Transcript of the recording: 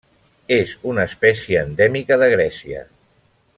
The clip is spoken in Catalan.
És una espècie endèmica de Grècia.